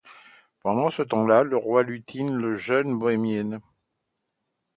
Pendant ce temps-là, le Roi lutine la jeune bohémienne